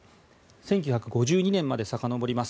１９５２年までさかのぼります。